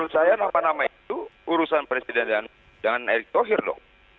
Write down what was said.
kenapa nama itu urusan presiden dengan erik thohir dong